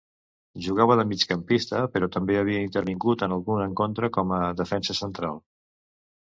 Jugava de migcampista, però també havia intervingut en algun encontre com a Defensa central.